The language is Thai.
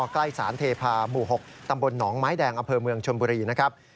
ใกล้สารเทพาหมู่๖ตำบลหนองไม้แดงอำเภอเมืองชนบุรีนะครับ